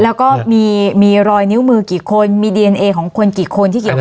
แล้วก็มีรอยนิ้วมือกี่คนมีดีเอนเอของคนกี่คนที่เกี่ยวข้อง